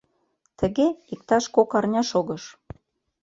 Тыге иктаж кок арня шогыш.